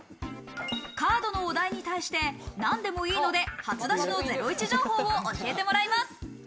カードのお題に対して何でもいいので、初出しのゼロイチ情報を教えてもらいます。